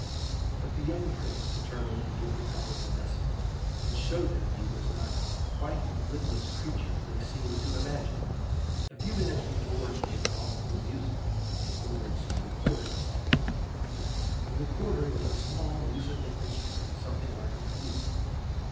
But the young Prince determined to give the couple a lesson, and show them he was not quite the witless creature they seemed to imagine. A few minutes before he had called for music, and ordered some recorders to be brought. The recorder was a small musical instrument something like a flute.